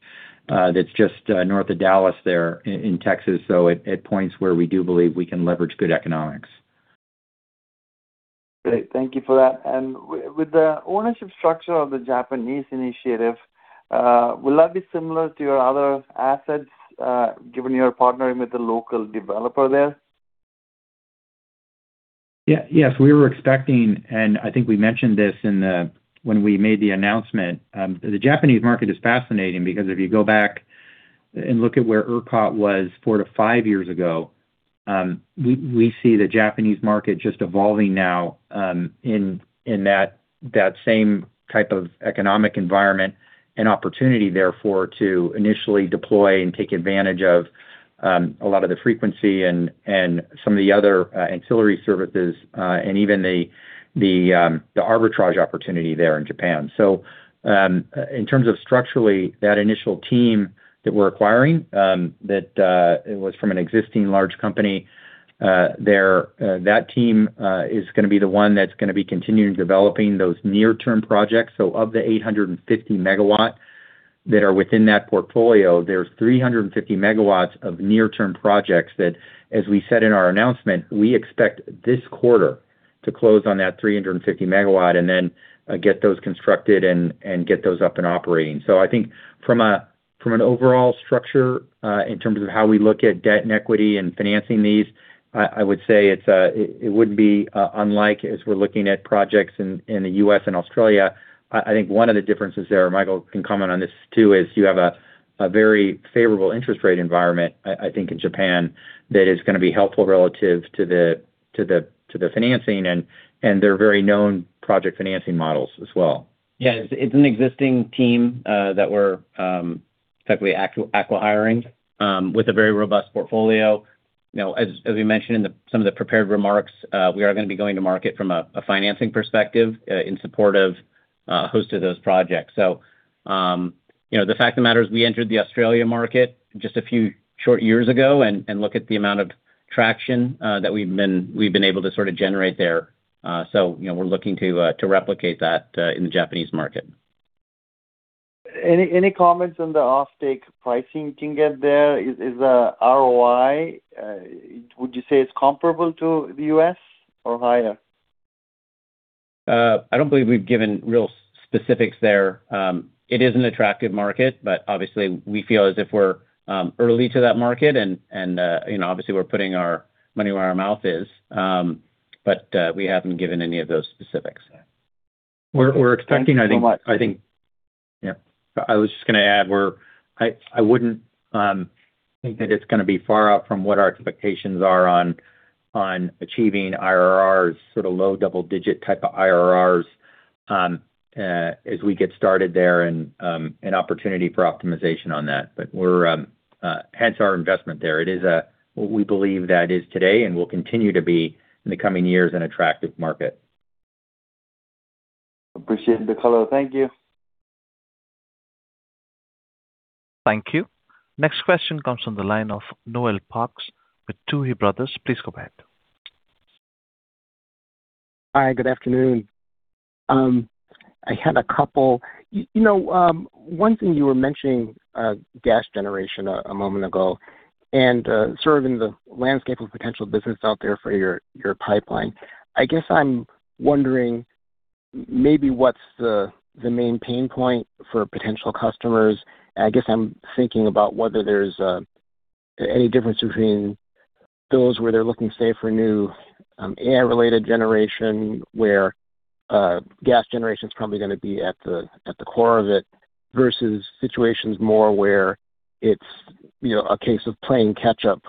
that's just north of Dallas there in Texas. At points where we do believe we can leverage good economics. Great. Thank you for that. With the ownership structure of the Japanese initiative, will that be similar to your other assets, given you're partnering with the local developer there? Yes. We were expecting, and I think we mentioned this in the when we made the announcement. The Japanese market is fascinating because if you go back and look at where ERCOT was four to five years ago, we see the Japanese market just evolving now in that same type of economic environment and opportunity therefore to initially deploy and take advantage of a lot of the frequency and some of the other ancillary services and even the arbitrage opportunity there in Japan. In terms of structurally, that initial team that we're acquiring, that it was from an existing large company there. That team is gonna be the one that's gonna be continuing developing those near-term projects. Of the 850 MW that are within that portfolio, there's 350 MW of near-term projects that, as we said in our announcement, we expect this quarter to close on that 350 MW and then get those constructed and get those up and operating. I think from a, from an overall structure, in terms of how we look at debt and equity and financing these, I would say it's, it would be unlike as we're looking at projects in the U.S. and Australia. I think one of the differences there, Michael can comment on this too, is you have a very favorable interest rate environment, I think in Japan, that is gonna be helpful relative to the financing and their very known project financing models as well. Yeah. It's an existing team that we're technically acquiring with a very robust portfolio. You know, as we mentioned in the some of the prepared remarks, we are gonna be going to market from a financing perspective in support of host of those projects. You know, the fact of the matter is we entered the Australia market just a few short years ago and look at the amount of traction that we've been able to sort of generate there. You know, we're looking to replicate that in the Japanese market. Any comments on the offtake pricing you can get there? Is the ROI, would you say it's comparable to the U.S. or higher? I don't believe we've given real specifics there. It is an attractive market, but obviously we feel as if we're early to that market and, you know, obviously we're putting our money where our mouth is. But we haven't given any of those specifics. We're expecting. Thank you so much. I think. Yeah. I was just gonna add I wouldn't think that it's gonna be far off from what our expectations are on achieving IRRs, sort of low double-digit type of IRRs, as we get started there and an opportunity for optimization on that. Hence our investment there. It is what we believe that is today and will continue to be in the coming years an attractive market. Appreciate the color. Thank you. Thank you. Next question comes from the line of Noel Parks with Tuohy Brothers, please go ahead. Hi, good afternoon? You know, one thing you were mentioning gas generation a moment ago, and sort of in the landscape of potential business out there for your pipeline, I guess I'm wondering maybe what's the main pain point for potential customers. I guess I'm thinking about whether there's any difference between those where they're looking, say, for new AI-related generation, where gas generation is probably gonna be at the core of it, versus situations more where it's, you know, a case of playing catch up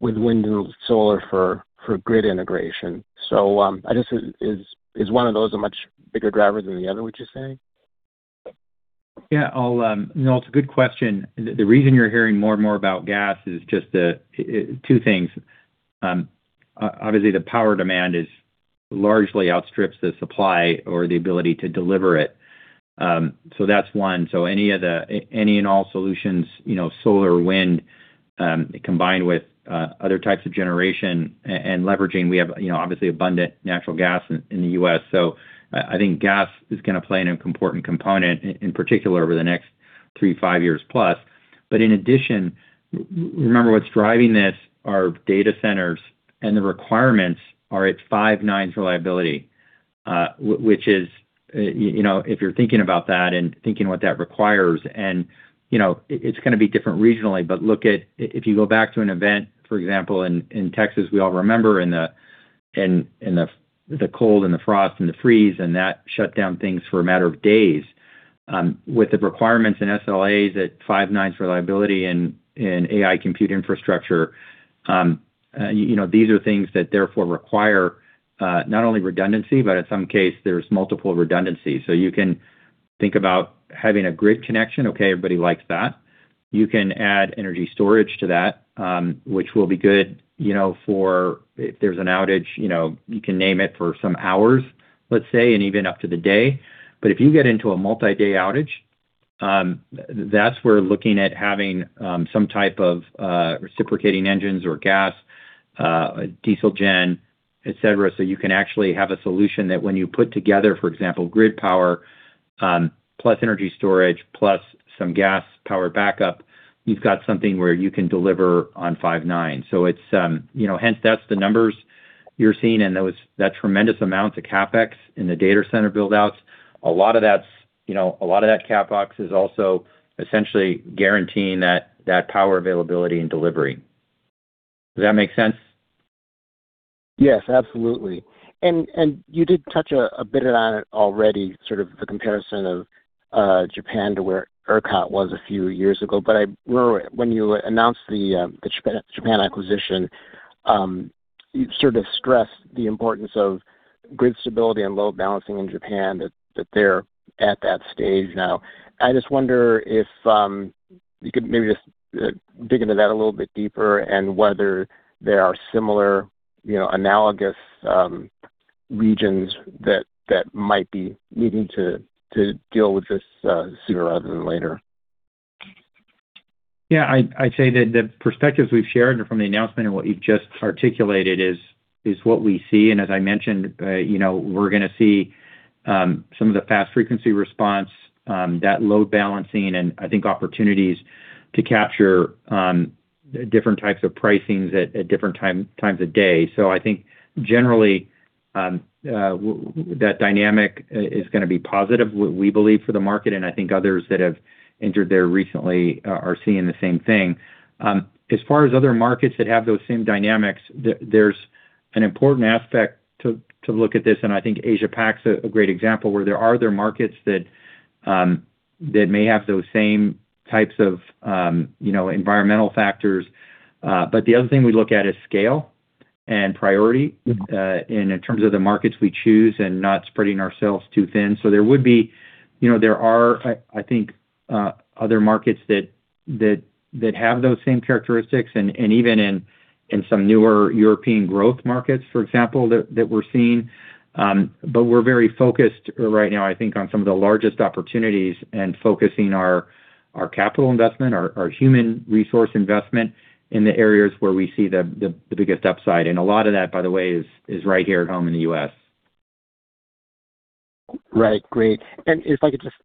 with wind and solar for grid integration. I guess is one of those a much bigger driver than the other, would you say? Yeah. I'll Noel, it's a good question. The reason you're hearing more and more about gas is just two things. Obviously, the power demand largely outstrips the supply or the ability to deliver it. That's one. Any and all solutions, you know, solar, wind, combined with other types of generation and leveraging. We have, you know, obviously abundant natural gas in the U.S. I think gas is gonna play an important component in particular over the next three years to five years plus. In addition, remember what's driving this are data centers, and the requirements are at five-nines reliability. Which is, you know, if you're thinking about that and thinking what that requires. You know, it's gonna be different regionally, but look at if you go back to an event, for example, in Texas, we all remember in the cold and the frost and the freeze, and that shut down things for a matter of days. With the requirements and SLAs at five-nines reliability in AI compute infrastructure, you know, these are things that therefore require not only redundancy, but in some case there's multiple redundancies. You can think about having a grid connection. Okay, everybody likes that. You can add energy storage to that, which will be good, you know, for if there's an outage, you know, you can name it for some hours. Let's say, and even up to the day. If you get into a multi-day outage, that's where looking at having some type of reciprocating engines or gas, diesel gen, et cetera. You can actually have a solution that when you put together, for example, grid power, plus energy storage, plus some gas power backup, you've got something where you can deliver on five-nines. It's, you know Hence, that's the numbers you're seeing, and that was that tremendous amount of CapEx in the data center build-outs. A lot of that's, you know, a lot of that CapEx is also essentially guaranteeing that power availability and delivery. Does that make sense? Yes, absolutely. You did touch a bit on it already, sort of the comparison of Japan to where ERCOT was a few years ago. I remember when you announced the Japan acquisition, you sort of stressed the importance of grid stability and load balancing in Japan, that they're at that stage now. I just wonder if you could maybe just dig into that a little bit deeper and whether there are similar, you know, analogous regions that might be needing to deal with this sooner rather than later. Yeah, I'd say that the perspectives we've shared from the announcement and what you've just articulated is what we see. As I mentioned, you know, we're gonna see some of the fast frequency response, that load balancing, and I think opportunities to capture different types of pricings at different times of day. I think generally, that dynamic is gonna be positive, we believe, for the market, and I think others that have entered there recently are seeing the same thing. As far as other markets that have those same dynamics, there's an important aspect to look at this, and I think Asia PAC's a great example, where there are other markets that may have those same types of, you know, environmental factors. The other thing we look at is scale and priority. In terms of the markets we choose and not spreading ourselves too thin. There would be, you know, there are, I think, other markets that have those same characteristics and even in some newer European growth markets, for example, that we're seeing. We're very focused right now, I think, on some of the largest opportunities and focusing our capital investment, our human resource investment in the areas where we see the biggest upside. A lot of that, by the way, is right here at home in the U.S. Right. Great. If I could just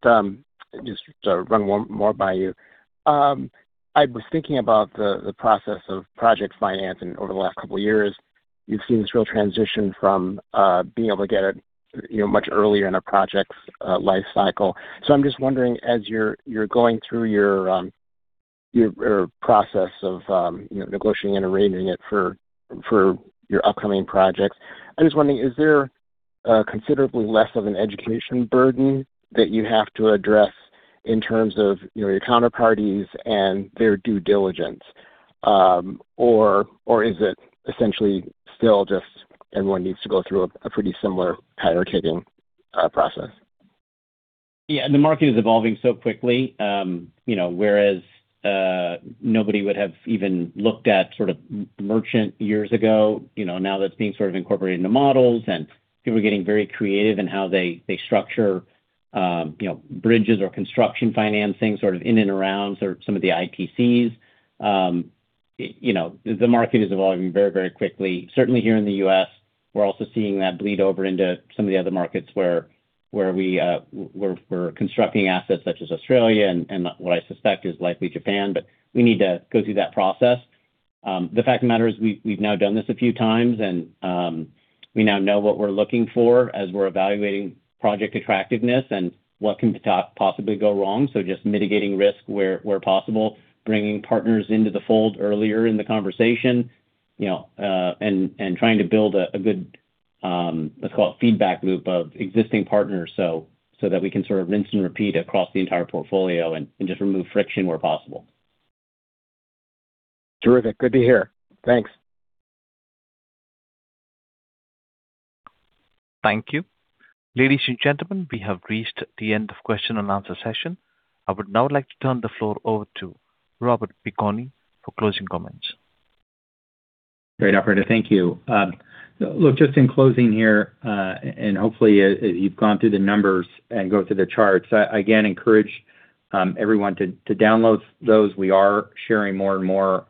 sort of run one more by you. I was thinking about the process of project financing over the last two years. You've seen this real transition from being able to get it, you know, much earlier in a project's life cycle. I'm just wondering, as you're going through your process of, you know, negotiating and arranging it for your upcoming projects. I'm just wondering, is there considerably less of an education burden that you have to address in terms of, you know, your counterparties and their due diligence? Is it essentially still just everyone needs to go through a pretty similar tire-kicking process? Yeah. The market is evolving so quickly. You know, whereas nobody would have even looked at sort of merchant years ago, you know, now that's being sort of incorporated into models, and people are getting very creative in how they structure, you know, bridges or construction financing sort of in and around sort of some of the IPCs. You know, the market is evolving very, very quickly. Certainly here in the U.S., we're also seeing that bleed over into some of the other markets where we're constructing assets such as Australia and what I suspect is likely Japan. We need to go through that process. The fact of the matter is we've now done this a few times and we now know what we're looking for as we're evaluating project attractiveness and what can possibly go wrong. Just mitigating risk where possible, bringing partners into the fold earlier in the conversation, you know, and trying to build a good, let's call it feedback loop of existing partners so that we can sort of rinse and repeat across the entire portfolio and just remove friction where possible. Terrific. Good to hear. Thanks. Thank you. Ladies and gentlemen, we have reached the end of question and answer session. I would now like to turn the floor over to Robert Piconi for closing comments. Great, Alfred. Thank you. Just in closing here, and hopefully as you've gone through the numbers and go through the charts, I again encourage everyone to download those. We are sharing more and more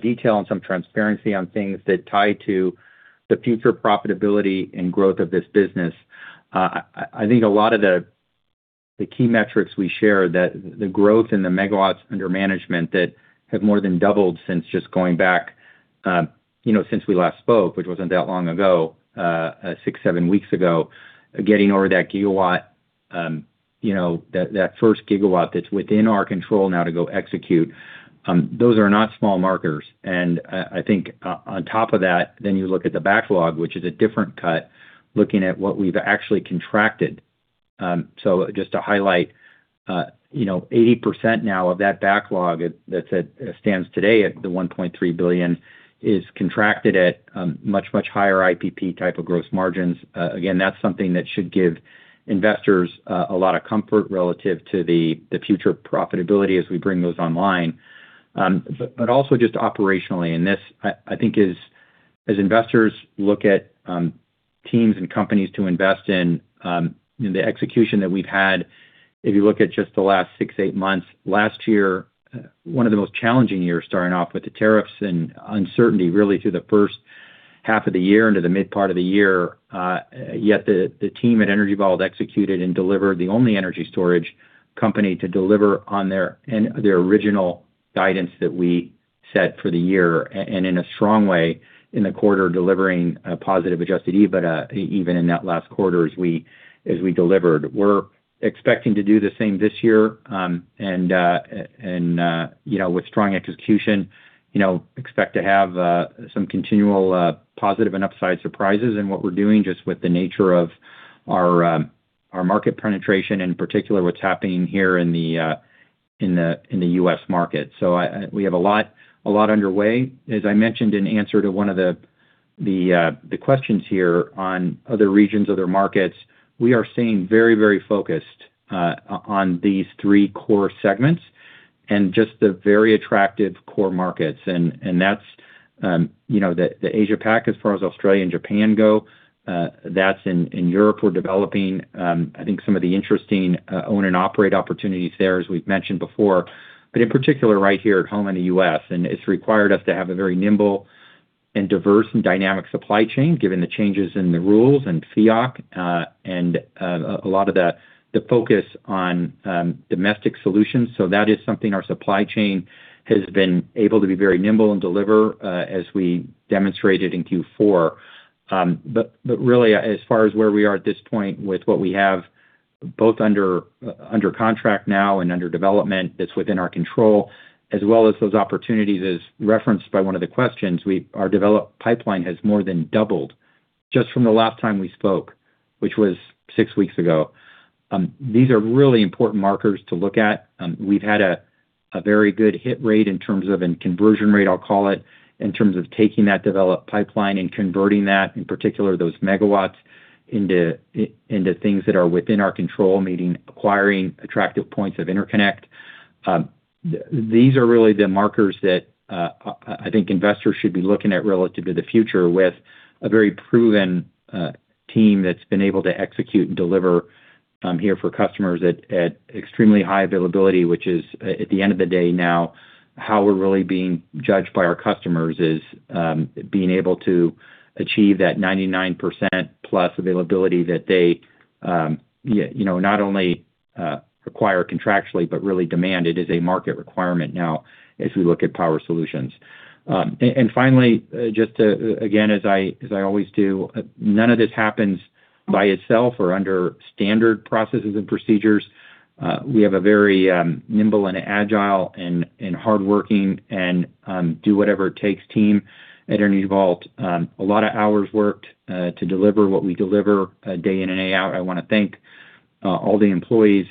detail and some transparency on things that tie to the future profitability and growth of this business. I think a lot of the key metrics we share, the growth in the megawatts under management that have more than doubled since just going back, you know, since we last spoke, which wasn't that long ago, 6 weeks, 7 weeks ago. Getting over that gigawatt, you know, that first gigawatt that's within our control now to go execute, those are not small markers. I think on top of that, you look at the backlog, which is a different cut, looking at what we've actually contracted. Just to highlight, you know, 80% now of that backlog that stands today at the $1.3 billion is contracted at much, much higher IPP type of gross margins. Again, that's something that should give investors a lot of comfort relative to the future profitability as we bring those online. Also just operationally, and this, I think is as investors look at teams and companies to invest in, the execution that we've had, if you look at just the last 6 months, 8 months, last year, one of the most challenging years starting off with the tariffs and uncertainty really through the first half of the year into the mid-part of the year. Yet the team at Energy Vault executed and delivered. The only energy storage company to deliver on their, in their original guidance that we set for the year, and in a strong way in the quarter, delivering a positive adjusted EBITDA even in that last quarter as we delivered. We're expecting to do the same this year, and, you know, with strong execution, you know, expect to have some continual positive and upside surprises in what we're doing just with the nature of our market penetration, and in particular, what's happening here in the U.S. market. We have a lot underway. As I mentioned in answer to one of the questions here on other regions, other markets, we are staying very, very focused on these three core segments and just the very attractive core markets. That's, you know, the Asia Pac, as far as Australia and Japan go. That's in Europe we're developing, I think some of the interesting own-and-operate opportunities there, as we've mentioned before. In particular, right here at home in the U.S., and it's required us to have a very nimble and diverse and dynamic supply chain, given the changes in the rules and FEOC, and a lot of the focus on domestic solutions. That is something our supply chain has been able to be very nimble and deliver, as we demonstrated in Q4. Really, as far as where we are at this point with what we have both under contract now and under development that's within our control, as well as those opportunities, as referenced by one of the questions, our develop pipeline has more than doubled just from the last time we spoke, which was six weeks ago. These are really important markers to look at. We've had a very good hit rate in terms of and conversion rate, I'll call it, in terms of taking that developed pipeline and converting that, in particular, those megawatts into things that are within our control, meaning acquiring attractive points of interconnect. These are really the markers that I think investors should be looking at relative to the future with a very proven team that's been able to execute and deliver here for customers at extremely high availability, which is at the end of the day now, how we're really being judged by our customers, is being able to achieve that 99%+ availability that they, you know, not only require contractually, but really demand. It is a market requirement now as we look at power solutions. Finally, just to, again, as I always do, none of this happens by itself or under standard processes and procedures. We have a very nimble and agile and hardworking and do-whatever-it-takes team at Energy Vault. A lot of hours worked to deliver what we deliver day in and day out. I wanna thank all the employees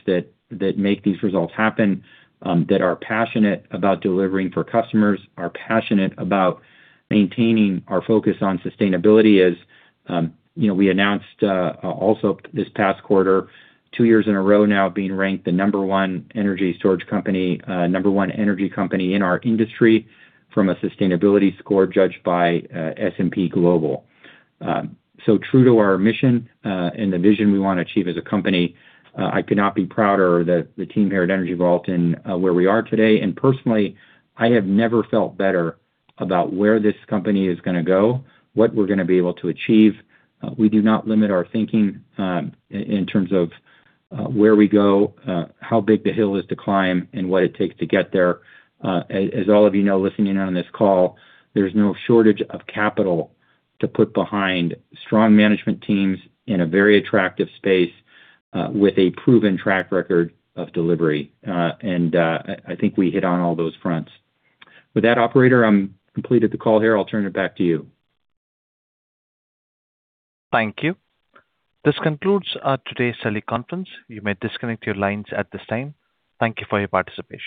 that make these results happen, that are passionate about delivering for customers, are passionate about maintaining our focus on sustainability. As, you know, we announced also this past quarter, two years in a row now being ranked the number one energy storage company, number one energy company in our industry from a sustainability score judged by S&P Global. True to our mission, and the vision we wanna achieve as a company, I could not be prouder that the team here at Energy Vault and where we are today. Personally, I have never felt better about where this company is gonna go, what we're gonna be able to achieve. We do not limit our thinking, in terms of where we go, how big the hill is to climb, and what it takes to get there. As all of you know listening in on this call, there's no shortage of capital to put behind strong management teams in a very attractive space, with a proven track record of delivery. I think we hit on all those fronts. With that, operator, I'm completed the call here. I'll turn it back to you. Thank you. This concludes today's teleconference. You may disconnect your lines at this time. Thank you for your participation.